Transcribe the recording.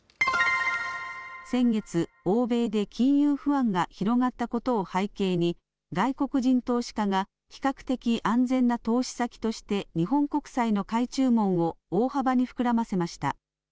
先月、欧米で金融不安が広がったことを背景に外国人投資家が比較的安全な投資先として日本国債の買い注文を大幅に膨らませました。